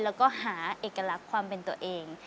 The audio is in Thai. แล้วก็หาเอกลักษณ์ความเป็นตัวเอง